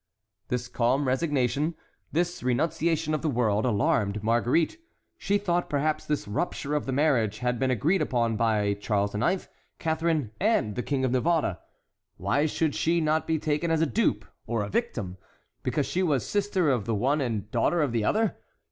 This calm resignation, this renunciation of the world, alarmed Marguerite. She thought perhaps this rupture of the marriage had been agreed upon by Charles IX., Catharine, and the King of Navarre. Why should she not be taken as a dupe or a victim? Because she was sister of the one and daughter of the other?